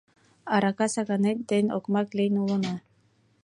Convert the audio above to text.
Арака саканет ден окмак лийын улына.